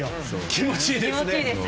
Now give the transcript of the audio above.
気持ちいいですね。